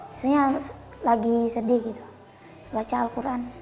misalnya lagi sedih gitu baca al quran